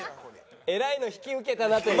えらいの引き受けたなという。